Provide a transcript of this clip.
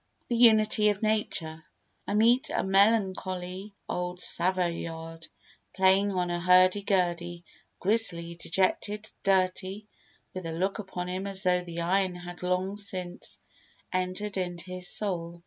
The Unity of Nature I meet a melancholy old Savoyard playing on a hurdy gurdy, grisly, dejected, dirty, with a look upon him as though the iron had long since entered into his soul.